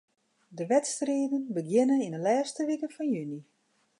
De wedstriden begjinne yn 'e lêste wike fan juny.